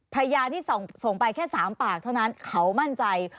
พยานที่ส่งไปแค่๓ปากเท่านั้นเขามั่นใจ